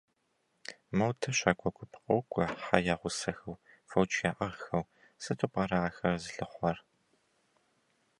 Модэ щакӀуэ гуп къокӀуэ хьэ ягъусэхэу, фоч яӀыгъхэу, сыту пӀэрэ ахэр зылъыхъуэр?